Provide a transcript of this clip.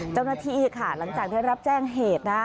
เจ้าหน้าที่ค่ะหลังจากได้รับแจ้งเหตุนะ